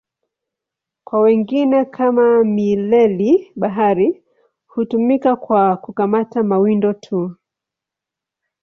Kwa wengine, kama mileli-bahari, hutumika kwa kukamata mawindo tu.